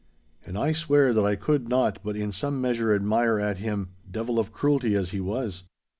And I swear that I could not but in some measure admire at him, devil of cruelty as he was.